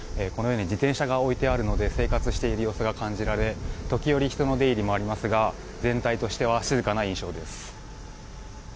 自転車などが置いてあるので生活している様子が感じられ時折、人の出入りもありますが全体としては静かな印象です。